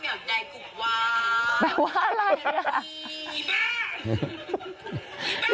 แบบว่าอะไร